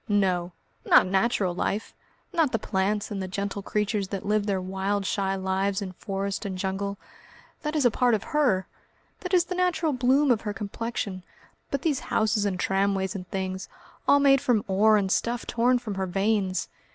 "No! not natural life, not the plants and the gentle creatures that live their wild shy lives in forest and jungle. That is a part of her. That is the natural bloom of her complexion. But these houses and tramways and things, all made from ore and stuff torn from her veins